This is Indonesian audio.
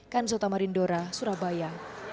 kanjota marindora surabaya